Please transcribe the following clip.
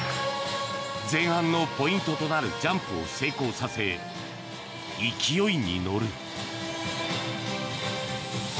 前半のポイントとなるジャンプを成功させ勢いに乗る。